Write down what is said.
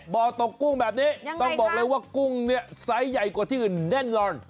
บ่อตกกุ้งแบบนี้ต้องบอกเลยว่ากุ้งไซส์ใหญ่กว่าที่อื่นแน่นกว่ายังไงครับ